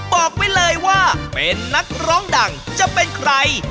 บอกไว้เลยว่าเป็นนักร้องดังจะเป็นใคร